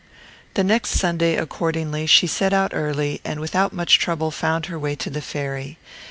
The next Sunday, accordingly, she set out early, and without much trouble found her way to the ferry.